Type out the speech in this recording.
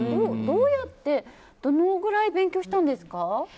どうやってどのぐらい勉強したんですか？